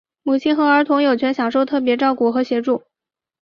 母亲和儿童有权享受特别照顾和协助。